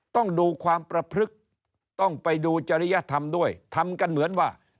ต้องดูความประพฤกษ์ต้องไปดูจริยธรรมด้วยทำกันเหมือนว่า